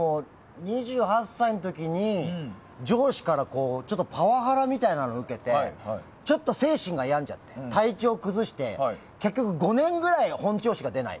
２８歳の時に上司からパワハラみたいなのを受けてちょっと精神が病んじゃって体調を崩して結局、５年ぐらい本調子が出ない。